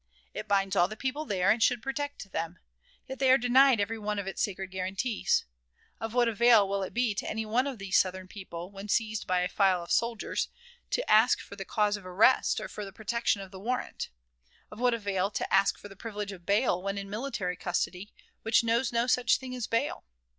It binds all the people there, and should protect them; yet they are denied every one of its sacred guarantees. Of what avail will it be to any one of these Southern people, when seized by a file of soldiers, to ask for the cause of arrest, or for the production of the warrant? Of what avail to ask for the privilege of bail when in military custody, which knows no such thing as bail?